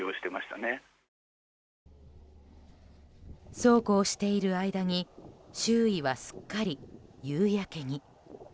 そうこうしている間に周囲は、すっかり夕焼けに。